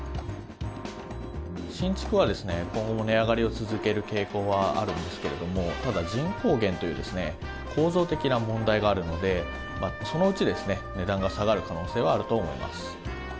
新築はですね、今後も値上がりを続ける傾向はあるんですけれども、ただ、人口減という構造的な問題があるので、そのうちですね、値段が下がる可能性はあると思います。